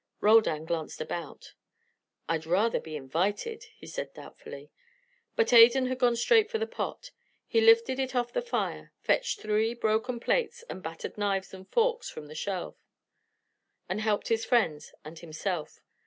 Roldan glanced about. "I'd rather be invited," he said doubtfully. But Adan had gone straight for the pot. He lifted it off the fire, fetched three broken plates and battered knives and forks from a shelf, and helped his friends and himself.